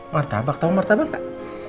martabak tau martabak gak